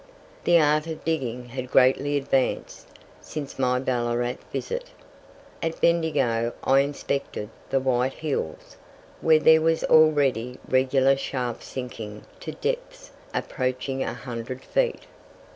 The art of digging had greatly advanced since my Ballarat visit. At Bendigo I inspected the "White Hills," where there was already regular shaft sinking to depths approaching 100 feet.